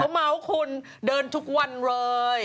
เขามาเอาคุณเดินทุกวันเลย